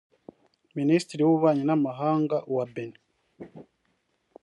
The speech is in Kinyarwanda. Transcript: Minisitiri w’ububanyi n’amahanga wa Benin